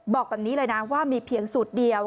บอกแบบนี้เลยนะว่ามีเพียงสูตรเดียว